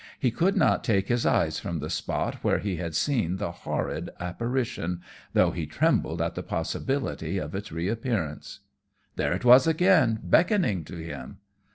He could not take his eyes from the spot where he had seen the horrid apparition, though he trembled at the possibility of its reappearance. There it was again, beckoning to him.